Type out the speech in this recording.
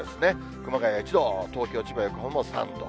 熊谷１度、東京、千葉、横浜も３度。